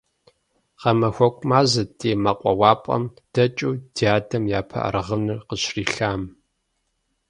Гъэмахуэку мазэт ди мэкъуауапӀэм дэкӀыу дядэм япэ аргъынэр къыщрилъам.